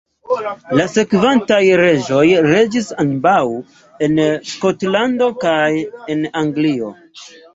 La sekvantaj reĝoj reĝis ambaŭ en Skotlando kaj en Anglio.